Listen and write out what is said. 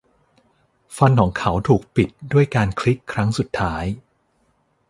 ฟันของเขาถูกปิดด้วยการคลิกครั้งสุดท้าย